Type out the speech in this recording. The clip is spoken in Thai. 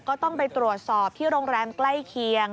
ก็ต้องไปตรวจสอบที่โรงแรมใกล้เคียง